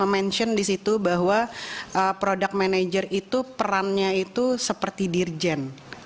mention di situ bahwa product manager itu perannya itu seperti dirjen